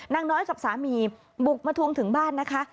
นางน้อยกับสามีบุกมาทวงถึงบ้านนะคะ